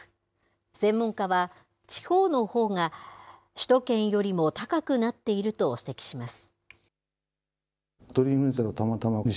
専門家は、地方のほうが首都圏よりも高くなっていると指摘します。